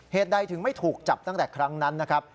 ใดถึงไม่ถูกจับตั้งแต่ครั้งนั้นนะครับ